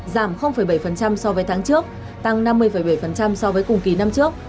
giảm bảy so với tháng trước tăng năm mươi bảy so với cùng kỳ năm trước